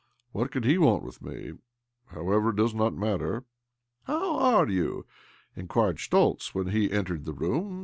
" What can he want with me ? However, it does not matter." "How are you?" inquired Schtoltz when he entered the room.